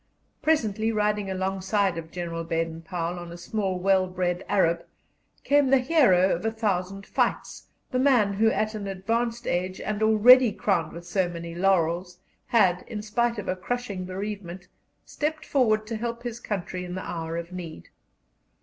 Presently, riding alongside of General Baden Powell, on a small, well bred Arab, came the hero of a thousand fights, the man who at an advanced age, and already crowned with so many laurels, had, in spite of a crushing bereavement, stepped forward to help his country in the hour of need.